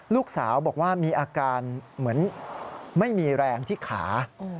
ลูกสาวบอกว่ามีอาการเหมือนไม่มีแรงที่ขา